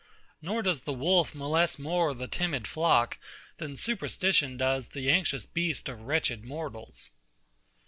Nor does the wolf molest more the timid flock, than superstition does the anxious breast of wretched mortals.